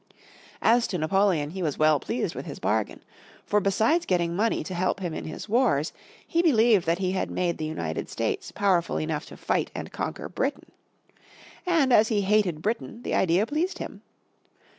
As to Napoleon, he was well pleased with his bargain. For besides getting money to help him in his wars he believed that he had made the United States powerful enough to fight and conquer Britain. And as he hated Britain the idea pleased him.